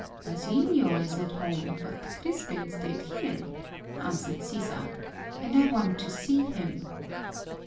"Basilio is at home, but Crispin stayed here," answered Sisa, "and I want to see him."